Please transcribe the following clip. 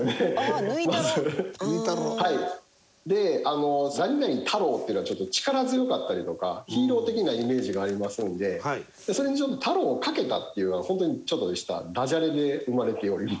で「何々太郎」っていうのはちょっと力強かったりとかヒーロー的なイメージがありますんでそれにちょっと「太郎」をかけたっていう本当にちょっとしたダジャレで生まれております。